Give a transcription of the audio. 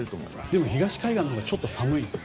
でも東海岸のほうがちょっと寒いです。